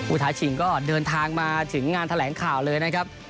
ท้าชิงก็เดินทางมาถึงงานแถลงข่าวเลยนะครับ